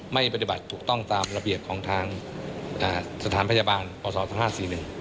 ปฏิบัติถูกต้องตามระเบียบของทางสถานพยาบาลพศ๒๕๔๑